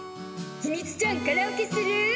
ひみつちゃんカラオケする？